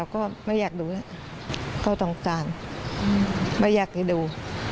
เราก็ไม่อยากดูนั้นก็ต้องการไม่อยากได้ดู